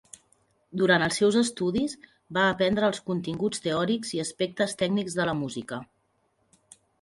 Durant els seus estudis, va aprendre els continguts teòrics i aspectes tècnics de la música.